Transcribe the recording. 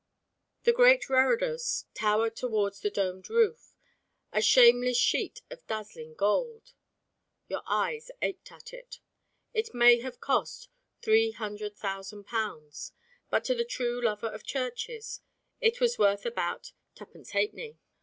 The great reredos towered towards the domed roof, a shameless sheet of dazzling gold. Your eyes ached at it. It may have cost £300,000, but to the true lover of churches it was worth about twopence halfpenny.